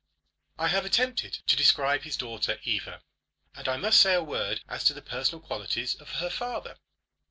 I have attempted to describe his daughter Eva, and I must say a word as to the personal qualities of her father.